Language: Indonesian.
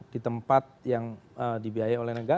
di tempat yang dibiayai oleh negara